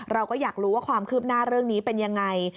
เราก็อยากรู้ว่าความคืบหน้าเรื่องนี้เป็นยังไง